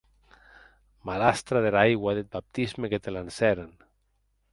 Malastre dera aigua deth baptisme que te lancèren!